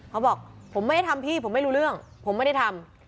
เขาบอกผมไม่ได้ทำพี่ผมไม่รู้เรื่องผมไม่ได้ทำ